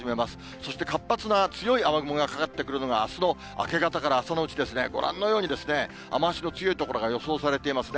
そして、活発な強い雨雲がかかってくるのが、あすの明け方から朝のうちですね、ご覧のように、雨足の強い所が予想されていますね。